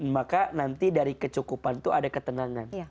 maka nanti dari kecukupan itu ada ketenangan